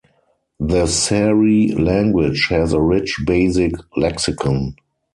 The Seri language has a rich basic lexicon.